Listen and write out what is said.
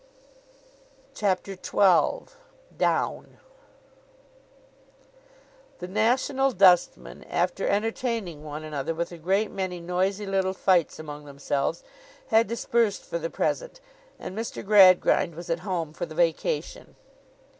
CHAPTER XII DOWN THE national dustmen, after entertaining one another with a great many noisy little fights among themselves, had dispersed for the present, and Mr. Gradgrind was at home for the vacation.